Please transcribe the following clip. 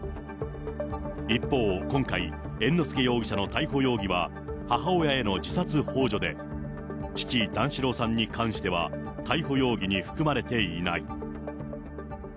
一方、今回、猿之助容疑者の逮捕容疑は、母親への自殺ほう助で、父、段四郎さんに関しては、逮捕容疑に含まれていない。